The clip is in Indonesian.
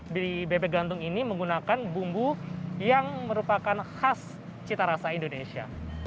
di bebek gantung ini menggunakan bumbu yang merupakan khas citarasa indonesia